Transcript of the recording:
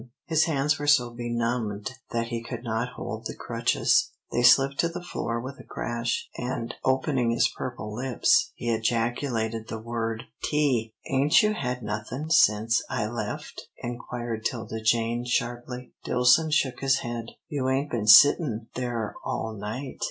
His hands were so benumbed that he could not hold the crutches. They slipped to the floor with a crash, and, opening his purple lips, he ejaculated the word, "Tea!" "Ain't you had nothin' sence I left?" inquired 'Tilda Jane, sharply. Dillson shook his head. "You ain't been sittin' there all night?"